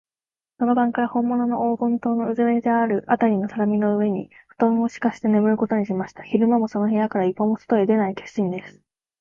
その晩から、ほんものの黄金塔のうずめてあるあたりの畳の上に、ふとんをしかせてねむることにしました。昼間も、その部屋から一歩も外へ出ない決心です。